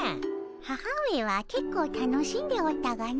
母上はけっこう楽しんでおったがの。